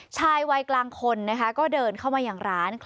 ชายวัยกลางคนนะคะก็เดินเข้ามาอย่างร้าน